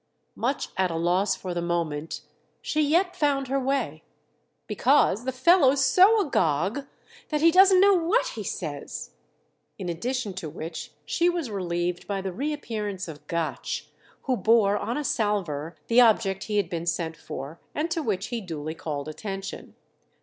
Much at a loss for the moment, she yet found her way. "Because the fellow's so agog that he doesn't know what he says!" In addition to which she was relieved by the reappearance of Gotch, who bore on a salver the object he had been sent for and to which he duly called attention.